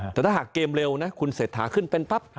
แต่ถ้าหากเกมเร็วนะคุณเศรษฐาขึ้นเป็นปั๊บ